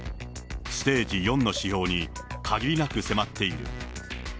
ステージ４の指標にかぎりなく迫っている。